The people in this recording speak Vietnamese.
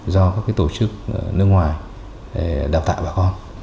do các tổ chức nước ngoài đào tạo bà con